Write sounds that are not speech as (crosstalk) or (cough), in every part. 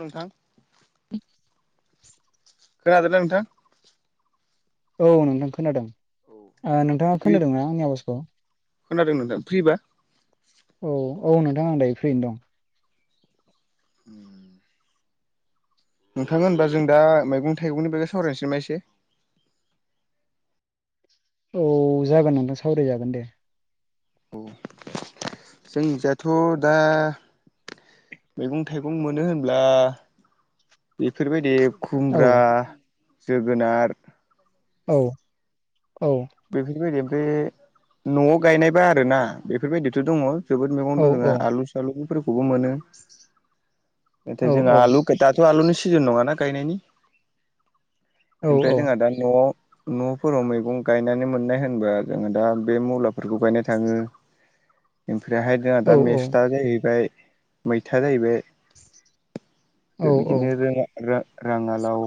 नोंथां। (inaudible) खोनादोंना नोंथां? औ नोंथां खोनादों। नोंथाङा खोनादोंना आंनि आवाजखौ? खोनादों नोंथां फ्रिबा। औ औ नोंथां आं दायो फ्रियैनो दं। (inaudible) नोंथां होनबा जों दा मैगं थाइगंनि बागै सावरायनोसै नामा एसे। औ जागोन नोंथां सावरायजागोन दे। औ जोंनि इजाथ' दा मैगं थाइगं मोनो होनब्ला बेफोरबायदि औ खुमब्रा जोगोनार। औ औ। बेफोरबायदि बे न'आव गायनायबा आरोना बेफोरबायदिथ' दङ जोबोद मैगं औ दं जोंहा आलु सालुफोरखौबो मोनो नाथाय औ जोंहा आलु दाथ' आलुनि सिजोन नङाना गायनायनि औ ओमफ्राय जोंहा दा न' न'फोराव मैगं गायनानै मोननाय होनबा जोङो दा बे मुलाफोरखौ गायनाय थाङो ओमफ्रायहाय जोंहा औ दा मेस्था जाहैबाय मैथा जाहैबाय औ बे बिदिनो रोङा राङालाव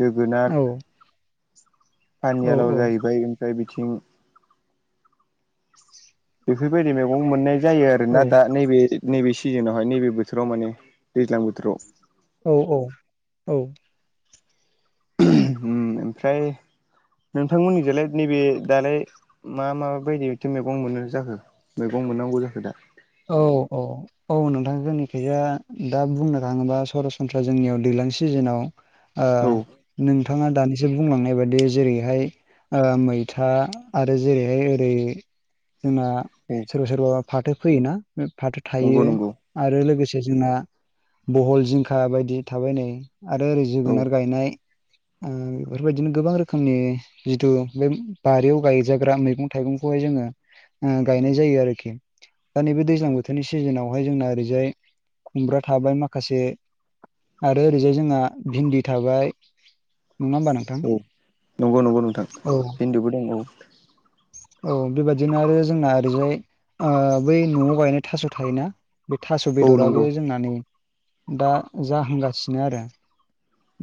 जोगोनार औ पानियालाव जाहैबाय ओमफ्राय बिथिं बेफोरबायदि मैगं मोननाय जायो आरो ना दा नैबे नैबे सिजोनावहाय नैबे बोथोराव माने दैज्लां बोथोराव औ औ औ उम ओमफ्राय नोंथांमोननिजोलाय नैबे दालाय मा माबायदिथो मैगं मोनो जाखो मैगं मोननांगौ जाखो दा औ औ औ औ औ नोंथां जोंनि खोजा दा बुंनो थाङोबा सरासनस्रा जोंनियाव दैज्लां सिजोनाव औ औ ओ नोंथाङा दानिसो बुंलांनाय बाददि जेरैहाय ओ मैथा आरो जेरैहाय ओरै ना सोरबा सोरबा फाथो फैयोना फाथो नंगौ थायो नंगौ आरो लोगोसे जोंना बहल जिंखा बायदि थाबाय नै आरो ओरै औ जोगोनार गायनाय ओ बेफोरबायदिनो गोबां रोखोमनि जिथु बे बारियाव गायजाग्रा मैगं थाइगंखौहाय जोङो ओ गायनाय जायो आरोखि। दा नैबे औ दैज्लां बोथोरनि सिजोनावहाय जोंना ओरैजाय खुमब्रा थाबाय माखासे आरो ओरैजाय जोंहा भिन्दि थाबाय नङा होमबा नों थां‌ नंगौ नंगौ नोंथां औ (inaudible) औ औ बेबायाददिनो आरो जोंना ओरैजाय अ बै न'आव गायनो थास' थायोना बे थास' औ नंगौ बेदराबो जोंना नै दा जाहांगासिनो आरो।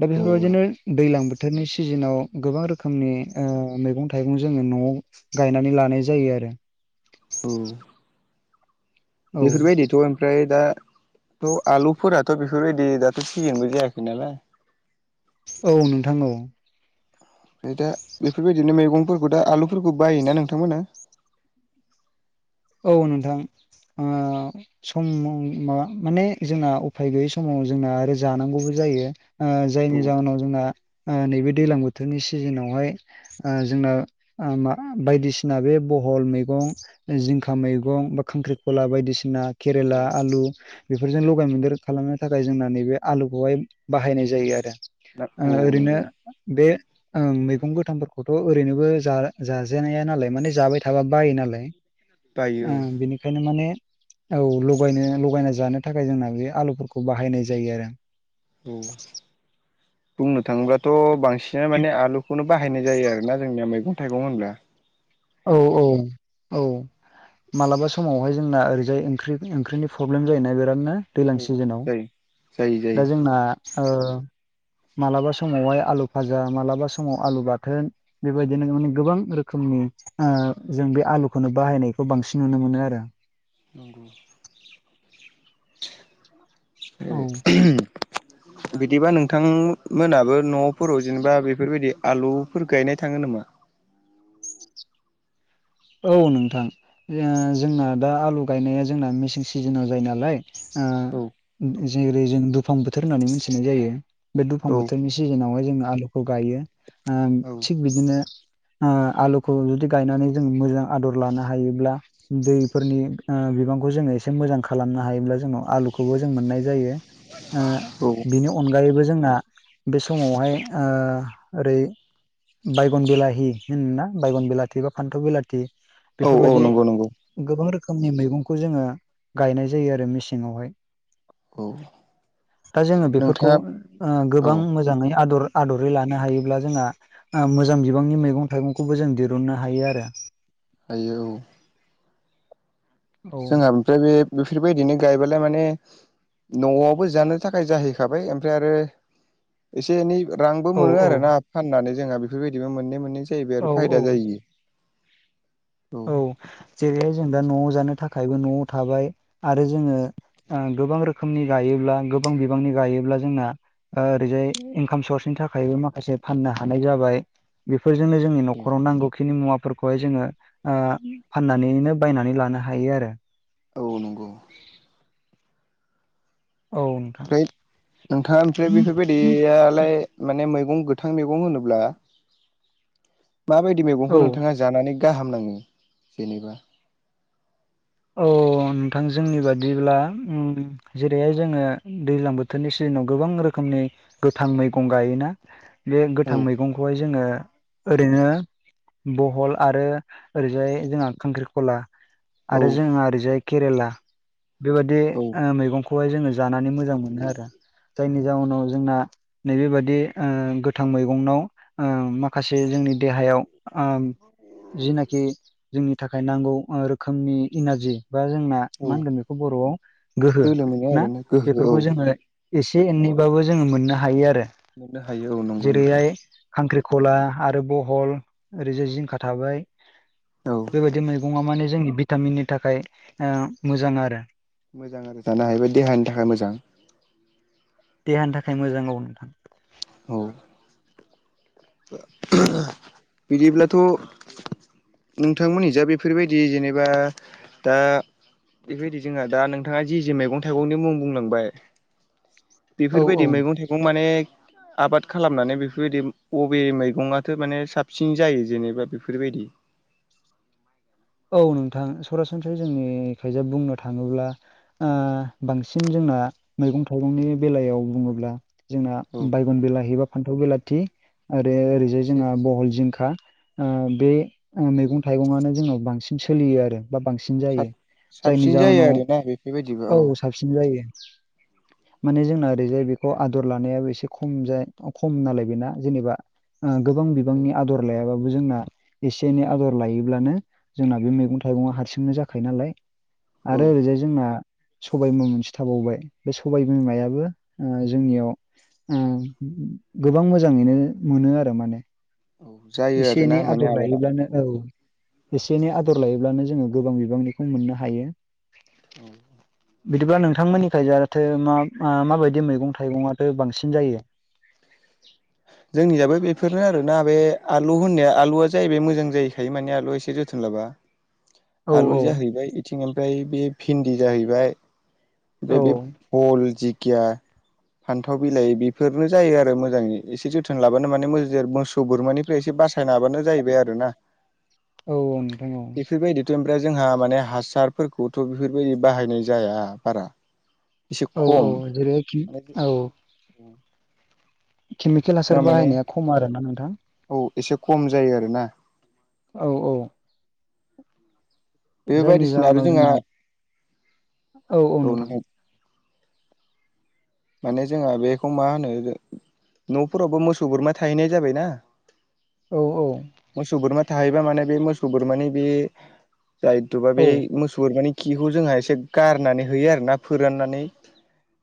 दा औ बेफोरबायदिनो दैलां बोथोरनि सिजोनाव गोबां रोखोमनि ओ मैगं थाइगं जोङो न'आव गायनानै लानाय जायो आरो। औ औ बेफोरबायदिथ' ओमफ्राय दा थ' आलुफोराथ' बेफोरबायदि दाथ' सिजेनबो जायाखै नालाय औ नोंथां औ। ओमफ्राय दा बेफोरबायदिनो मैगंफोरखौ दा आलुफोरखौ बायोना नोंथांमोना औ नोंथां ओ सम माबा माने जोंना उफाय गैयै समाव जोंना आरो जानांगौबो जायो। ओ औ जायनि जाहोनाव जोंना नैबे दैजलां बोथोरनि सिजोनावहाय ओ जोंना ओ बायदिसिना बे बहल मैगं जिंखा मैगं बा खांख्रिखला बायदिसिना केरेला औ आलु बेफोरजों लगाय मोनदेर खालामनो थाखाय जोंना नैबे आलुखौहाय बाहायनाय जायो आरो। औ ओरैनो नंगौ बे ओं मैगं गोथांफोरखौथ' ओरैनोबो जाजानाया नालाय माने जाबाय थाबा बायो नालाय। बायो औ बिनिखायनो माने औ लगायनो लगायना जानो थाखाय जोंना बे आलुफोरखौ बाहायनाय जायो आरो। औ बुंनो थाङोब्लाथ' बांसिन बिसिना माने आलुखौनो बाहायनाय जायो आरोना जोंनिया मैगं थाइगं होनब्ला। औ औ औ। मालाबा समावहाय जोंना ओरैजाय ओंख्रिनि प्रब्लेम जायोना बिरादनो। दैज्लां औ सिजेनाव जायो जायो जायो दा जोंना ओ मालाबा समावहाय आलु फाजा मालाबा समाव आलु बाथोन। बेबायदिनो माने गोबां रोखोमनि आ जों बे आलुखौनो बाहायनायखौ बांसिन नुनो मोनो आरो। नंगौ। औ ए बिदिबा नोंथां मोनाबो न'फोराव जेनेबा बेफोर बायदि आलुफोर गायनाय थाङो नामा? औ नोंथां ओ जोंना दा आलु गायनाया जोंना मेसें सिजोनाव जायो नालाय ओ औ जेरै जों दुफां बोथोर होननानै मोनथिनाय जायो। बे दुफां औ बोथोरनि सिजेनावहाय जों आलुखौ गायो। ओ थिग बिदिनो ओ आलुखौ जुदि गायनानै जों मोजां आदर लानो हायोब्ला दैफोरनि ओ बिबांखौ जोङो एसे मोजां खालामनो हायोब्ला जोंनाव आलुखौबो जों मोननाय जायो। (inaudible) ओ औ बिनि अनगायैबो जोंना बे समावहाय ओ ओरै बायगन बिलाहि होनोना बायगन बिलाथि बा फान्थाव बिलाथि औ बेफोर औ बायदि नंगौ नंगौ गोबां रोखोमनि मैगंखौ जोङो गायनाय जायो आरो मेसेंआवहाय। खौ दा जोङो बेफोरखौ ओ गोबां औ मोजाङै आदर आदरै लानो हायोब्ला जोंहा ओ मोजां बिबांनि मैगं थाइगंखौबो जों दिरुननो हायो आरो। हायो औ औ जोंहा ओमफ्राय बे बेफोर बायदिनो गायबोलाय माने न'आवबो जानो थाखाय जाहैखाबाय ओमफ्राय आरो एसे एनै ओ रांबो औ मोनो औ आरो ना, फाननानै जोंहा बेफोर बायदिबो मोननै मोननै जाहैबाय औ आरो फायदा औ जायो। औ। जेरैहाय जों दा न'आव जानो थाखायबो न'आव थाबाय। आरो जोङो ओ गोबां रोख खोमनि गायोब्ला गोबां बिबांनि गायोब्ला जोंना ओरैजाय इंकाम सर्सनि थाखायबो माखासे फाननो हानाय जाबाय। बेफोरजोंनो जोंनि न'खराव नांगौखिनि मुवाफोरखौहाय जोङो ओ फाननानैनो बायनानै लानो हायो आरो। औ नंगौ। औ नोंथां फ्रायथ नोंथाङा ओमफ्राय बेफोर बायदियालाय माने मैगं गोथां मैगं होनोब्ला माबायदि औ मैगंखौ नोंथाङा जानानै गाहाम नाङो जेनेबा औ नोंथां जोंनि बादिब्ला उम जेरैहाय जोङो दैज्लां बोथोरनि सिजेनाव गोबां रोखोमनि गोथां मैगं गायोना। बे गोथां औ मैगंखौहाय जोङो ओरैनो बहल आरो ओरैजाय जोंहा खांख्रिखला। औ आरो जोंहा ओरैजाय केरेला बेबायदि औ ओ मैगं खौहाय जोङो जानानै मोजां मोनो आरो जायनि जाउनाव जोंना नैबेबादि ओ गोथां मैगंनाव ओ माखासे जोंनि देहायाव ओ (unintelligible) जिनाखि जोंनि थाखाय नांगौ ओ रोखोमनि इनारजि बा जोंना औ मा होनगोन बेखौ बर'आव गोहो बोलो मोनो ना आरोना गोहो औ बेफोरखौ जोङो एसे एननैबाबो जोङो मोननो हायो आरो। मोननो हायो औ नंगौ नोंथां। जेरैहाय खांख्रिखला आरो बहल ओरैजाय जिंखा थाबाय। औ बेबायदि मैगङा माने जोंनि भिटामिननि थाखाय ओ मोजां आरो। मोजां आरो जानो हायोबा देहानि थाखाय मोजां। देहानि थाखाय मोजां औ नोंथां। औ औ। बिदिब्लाथ' नोंथांमोननि जा बेफोरबायदि जेनेबा दा बेफोरबायदि जोंहा दा नोंथाङा जि जे मैगं' थाइगंनि मुं बुंलांबाय। औ बेफोरबायदि औ मैगं थाइगं माने आबाद खालामनानै बेफोरबायदि। बबे मैगं आथो माने साबसिन जायो। जेनेबा बेफोरबायदि। औ नोंथां सरासनस्रायै जोंनिखायजा बुंनो थाङोब्ला। ओ बांसिन जोंना मैगं' थाइगंनि बेलायाव बुङोब्ला। जोंना औ बायगन बिलाहि बा फान्थाव' बिलाथि। आरो ओरैजाय एसे जोंहा बहल जिंखा। ओ बे औ मैगं थाइगं आनो जोंनाव बां सिन सोलियो आरो बा बांसिन जायो। साबसिन जायनि जायो आरोना बेफोरबायदिबो जाहोनाव औ साब फिन जायो। (unintelligible) माने जोंना ओरैजाय बेखौ आदर लानायाबो एसे खमजा खम नालाय। बेना जेनेबा ओ गोबां बिबांनि आदर लायाबाबो जोंना एसे एनै आदर लायोब्लानो। जोंना बे मैगं' थाइगंआ हारसिंनो जाखायो नालाय। औ आरो ओरैजाय जोंना। सबाय बिमा मोनसे थाबावबाय। बे सबाय बिमायाबो ओ जोंनियाव। ओ गोबां मोजाङैनो मोनो। आरो माने। औ जायो एसे आरोना एनै माने आदर आबादा लायोब्लानो। औ एसे एनै आदर लायोब्लानो जोङो गोबां बिबांनिखौ मोननो हायो। औ। बिदिबा नोंथांमोननि खायजाथो मा मा माबायदि मैगं थाइगंआथो बांसिन जायो। जोंनिजाबो बेफोरनो आरोना बे आलु होननाया आलुआ जाहैबाय मोजां जाहैखायो। माने आलुआ एसे जोथोन लाबा। औ आलु औ जाहैबाय इथिं ओमफ्राय बे भिन्दि जाहैबाय। औ ओमफ्राय बे फल जिखिया फान्थाव' बिलाहि बेफोरनो जायो आरो मोजाङै। एसे जोथोन लाबानो माने मोजेर मोसौ बोरमानिफ्राय एसे बासायनो हाबानो जाहैबाय आरो ना। औ औ नोंथां औ। समफ्राय जोंहा माने हासारफोरखौथ' बेफोरबायदि बाहायनाय जाया बारा। एसे औ औ खम जेरै माने। औ केमिकेल हासार जोंहा माने बाहायनाया खम आरोना नोंथां। औ एसे खम जायो। आरो ना। औ औ। बे जायनि बायदिसिना आरो जाहोनाव जोंहा। जोंना औ औ नोंथां। माने जोंहा बेखौ मा होनो ओजों न'फोरावबो मोसौ बोरमा थाहैनाय जाबाय ना। औ औ। मोसौ बोरमा थाहैबा माने बे मोसौ बोरमानि बे। जाहिथुबा बे औ मोसौ बोरमानि। खिखौ जोंहा एसे गारनानै होयो आरो ना फोराननानै।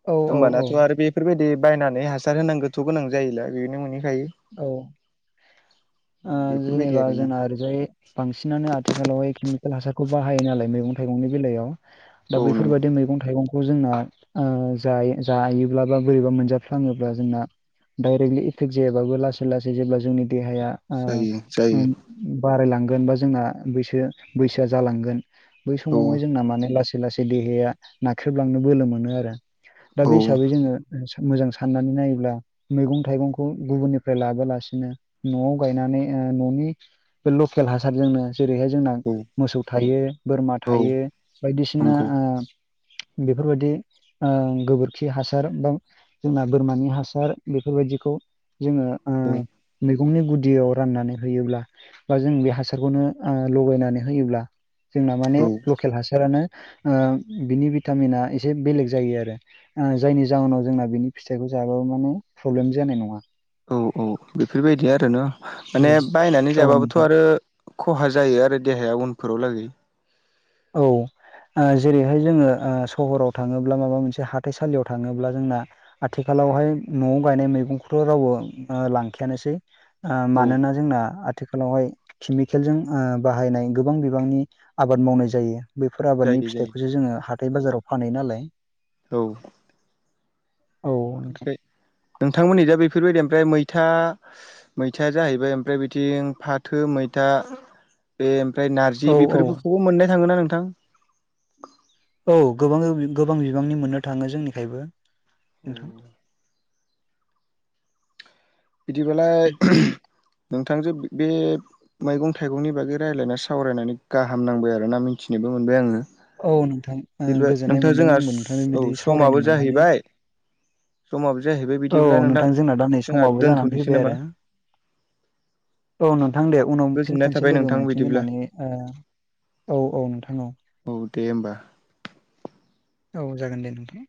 औ। औ दाथ'आरो औ बेफोरबायदि बायनानै हासार होनांगौथ' गोनां जायैला बेनो मोनहैखायो। औ ओ बेफोरबायदि जेनेबा आरोना जोंना ओरैजाय बांसिनानो आथिखालावहाय केमिकेल हासारखौ बाहायो नालाय मैगं थाइगंनि बेलायाव। दा औ नंगौ बेफोरबायदि मैगं थाइगंखौ जोंना। ओ जायो जायोब्ला बा बोरैबा मोनजाफ्लाङोब्ला जोंना डाइरेक्टलि एफेक्ट जाया। ओमबाबो लासै लासै जेब्ला जोंनि देहाया ओ जायो उम जायो। बारायलांगोन बा जोंना बैसोवा बैसोआ जालांगोन। बै औ समावहाय जोंना माने लासै लासै लासै देहाया नाख्रेबलांनो बोलो मोनो। आरो दा औ बे हिसाबै जोङो मोजां साननानै नायोब्ला मैगं' थाइगंखौ। गुबुननिफ्राय लाबोलासिनो न'आव गायनानै ओ न'नि बे लकेल हासारजोंनो। जेरैहाय जोंना औ मोसौ थायो बोरमा औ थायो बायदिसिना नंगौ ओ। बेफोरबायदिओ गोबोरखि हासार बा जोंना बोरमानि हासार बेफोरबायदिखौ जोङो (unintelligible) मैगंनि गुदियाव राननानै होयोब्ला बा जों बे हासारखौनो लगायनानै होयोब्ला जोंना माने औ लकेल हासारानो बिनि भिटामिना एसे बेलेग जायो आरो जायनि जाहोनाव जोंना बिनि फिथाइखौ जायाबाबो माने प्रब्लेम जानाय नङा औ औ बेफोरबायदि आरोना औ माने बायनानै औ जाबाबोथ' नोंथां आरो खहा जायो आरो देहाया उनफोराव लागै औ जेरैहाय जोङो सहराव थाङोब्ला माबा मोनसे हाथाइसालियाव थाङोब्ला जोंना आथिखालावहाय न'वाव गायनाय मैगंखौथ' रावबो लांखायानोसै औ मानोना जोंना आथिखालावहाय केमिकेलजों बाहायनाय गोबां बिबांनि आबाद मावनाय जा यो बैफोर आबादनि जायो जायो फिथाइखौसो जोङो हाथाय बाजाराव फानै नालाय औ औ ओमफ्राय नोंथांमोननि दा बेफोरबायदि ओमफ्राय मैथा मैथाया जाहैबाय ओमफ्राय बिथिं फाथो मैथा बे ओमफ्राय नारजि औ औ बेफोरखौबो मोननाय थाङोना नोंथां औ गोबां गोबां बिबांनि मोननो थाङो जोंनिखायबो नोंथां बिदिब्लालाय नोंथांजो बे मैगं थाइगंनि बागै रायलायना सावरायनानै गाहाम नांबाय आरोना मिथिनोबो मोनबाय आङो औ नोंथां ओ बि गोजोननाय नोंथां मोनदों जोंहा औ आंबो नोंथांजों बिदि स सावरायनो समाबो मोननानै जाहैबाय समाबो जाहैबाय औ नोंथां जोंना दा नै जोंहा समावबो जानानै दोनथ'नोसै फैबाय नामा आरो औ नोंथां दे उनाव फिन गोजोननाय खनसे थाबाय लोगो नोंथां बिदिब्ला मोनफिनगोननानै ओ औ औ नोंथां औ दे ओमबा औ जागोन दे नोंथां